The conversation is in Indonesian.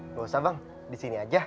gak usah bang disini aja